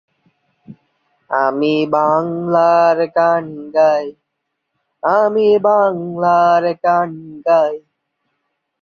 তিনি সেনাবাহিনী থেকে সরে এসে আফগানিস্তানে সোভিয়েতদের বিরুদ্ধে যুদ্ধ করার জন্য ইসলামী আন্দোলনে যোগ দেন।